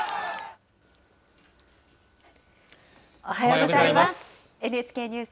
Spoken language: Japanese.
おはようございます。